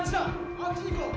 あっちに行こう！